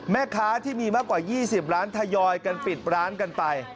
แม่ค้าที่มีมากกว่า๒๐ล้านทยอยกันปิดร้านกันไป